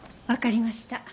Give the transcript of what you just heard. わかりました。